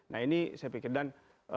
nah ini saya pikir dan